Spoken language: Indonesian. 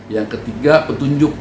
yang ketiga petunjuk